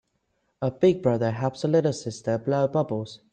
A big brother helps a little sister blow bubbles.